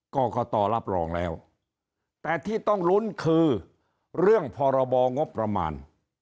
กรกตรับรองแล้วแต่ที่ต้องลุ้นคือเรื่องพรบงบประมาณ